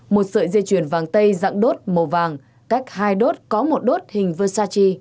một sợi dây chuyển vàng tây dạng đốt màu vàng cách hai đốt có một đốt hình versace